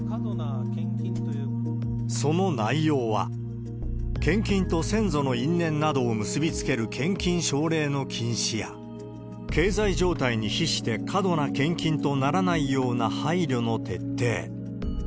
その内容は、献金と先祖の因縁などを結び付ける献金奨励の禁止や、経済状態に比して過度な献金とならないような配慮の徹底。